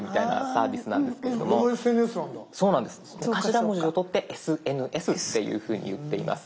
頭文字をとってＳＮＳっていうふうに言っています。